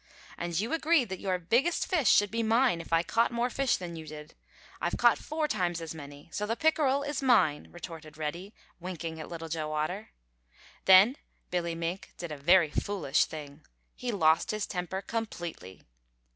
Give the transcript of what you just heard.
"And you agreed that your biggest fish should be mine if I caught more fish than you did. I've caught four times as many, so the pickerel is mine," retorted Reddy, winking at Little Joe Otter. Then Billy Mink did a very foolish thing; he lost his temper completely.